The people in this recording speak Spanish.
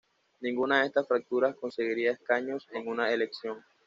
Ninguna de estas fracturas conseguiría escaños en una elección.